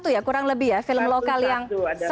satu ratus satu ya kurang lebih ya film lokal yang